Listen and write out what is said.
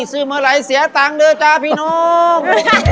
ซั่งเหมือนไรเสียต่างดีจ๊าพี่นก